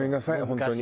本当に。